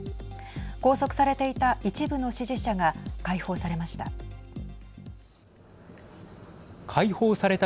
拘束されていた一部の支持者が解放されました。